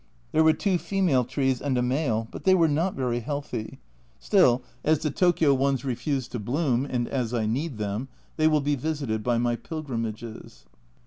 There were two female trees and a male, but they were not very healthy ; still, as the Tokio ones 192 A Journal from Japan refuse to bloom, and as I need them, they will be visited by my pilgrimages.